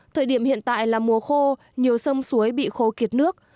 thời điểm hiện tại là mùa khô nhiều sông suối bị khô kiệt nước